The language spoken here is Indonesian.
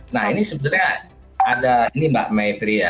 nah ini sebenarnya ada ini mbak maifri ya